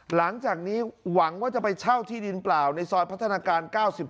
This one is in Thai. หลังจากนี้หวังว่าจะไปเช่าที่ดินเปล่าในซอยพัฒนาการ๙๗